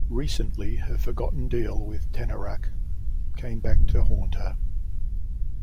Recently, her forgotten deal with Tanaraq came back to haunt her.